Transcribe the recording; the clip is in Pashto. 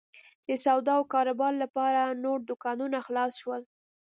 د سودا او کاروبار لپاره نور دوکانونه خلاص شول.